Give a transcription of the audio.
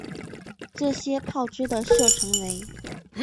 这些炮支的射程为。